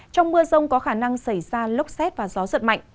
trong mưa rông có khả năng xảy ra lốc xét và gió giật mạnh